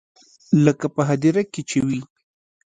لکه په هديره کښې چې وي.